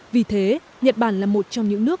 vì thế nhật bản là một trong những nước